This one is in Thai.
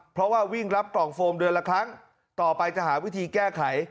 เพราะว่าวิ่งรับกล่องโฟมเดือนละครั้งต่อไปจะหาวิธีแก้ไข